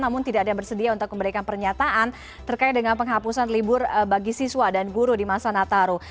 namun tidak ada yang bersedia untuk memberikan pernyataan terkait dengan penghapusan libur bagi siswa dan guru di masa nataru